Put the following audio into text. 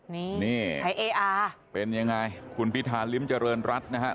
นี่เป็นยังไงคุณพิธานลิ้มเจริญรัตน์นะครับ